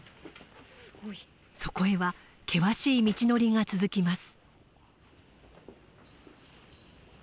そこへは険しい道のりが続きます。